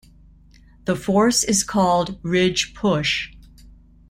The force is called ridge push.